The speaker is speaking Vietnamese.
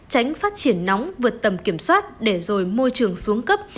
tránh phát triển nóng vượt tầm kiểm soát để rồi môi trường xuống cấp